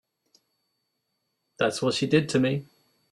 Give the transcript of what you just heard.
That's what she did to me.